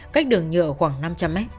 cách đường nhựa khoảng năm trăm linh m